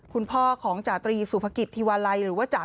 คุณพ่อจตรีสุภกิจธิวไล